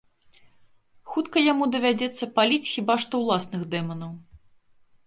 Хутка яму давядзецца паліць хіба што ўласных дэманаў.